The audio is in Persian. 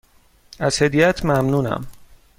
از هدیهات ممنونم.